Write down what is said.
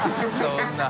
そんな。